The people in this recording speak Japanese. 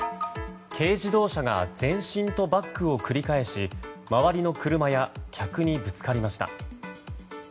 軽自動車が前進とバックを繰り返し周りの車や客にぶつかりました。